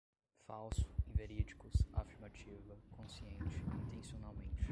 falso, inverídicos, afirmativa, consciente, intencionalmente